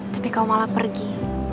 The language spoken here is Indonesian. tapi kau malah pergi